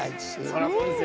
そりゃそうですよね。